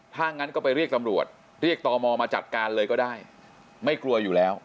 ถ้างั้นก็ไปเรียกตำรวจเรียกตมมาจัดการเลยก็ได้ไม่กลัวอยู่แล้ว